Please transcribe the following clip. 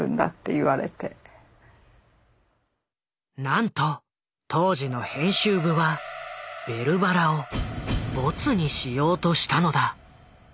なんと当時の編集部は「ベルばら」をボツにしようとしたのだ。